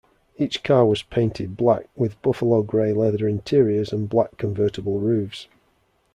Each car was painted black, with buffalo grey leather interiors and black convertible roofs.